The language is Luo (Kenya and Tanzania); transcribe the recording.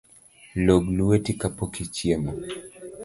Log lueti kapok ichiemo